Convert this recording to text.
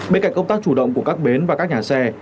bên cạnh công tác chủ động của các bến và các nhà xe